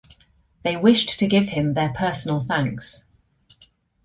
They wished to give him their personal thanks.